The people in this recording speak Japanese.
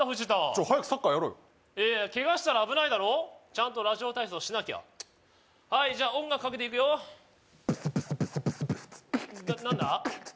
ちょっ早くサッカーやろうよいやケガしたら危ないだろちゃんとラジオ体操しなきゃチッはいじゃあ音楽かけていくよ何だ？